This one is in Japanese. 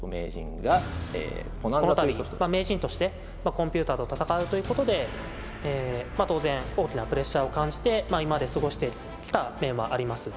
この度名人としてコンピューターと戦うということで当然大きなプレッシャーを感じて今まで過ごしてきた面はあります。